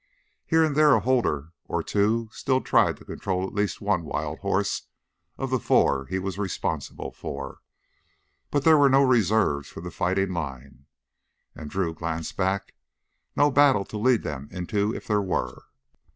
Here and there a holder or two still tried to control at least one wild horse of the four he was responsible for, but there were no reserves for the fighting line. And Drew glanced back no battle to lead them into if there were.